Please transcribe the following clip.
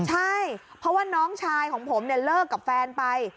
ใช่เพราะว่าน้องชายของผมเนี่ยเลิกกับแฟนไป